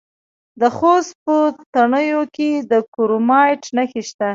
د خوست په تڼیو کې د کرومایټ نښې شته.